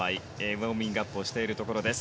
ウォーミングアップをしているところです。